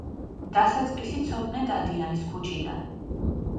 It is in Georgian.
დასაწყისი ცოტნე დადიანის ქუჩიდან.